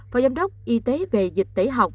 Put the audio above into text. phó giám đốc y tế về dịch tẩy học